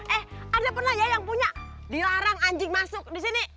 eh ada pernah ya yang punya dilarang anjing masuk di sini